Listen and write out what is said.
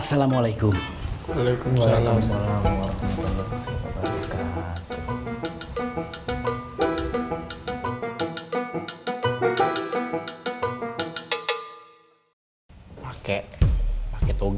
assalamualaikum warahmatullahi wabarakatuh